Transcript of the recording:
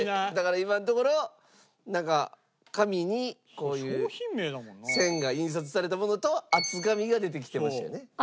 だから今のところなんか紙にこういう線が印刷されたものと厚紙が出てきてましたよね。